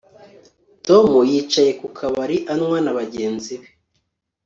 Tom yicaye ku kabari anywa na bagenzi be